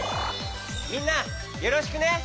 みんなよろしくね。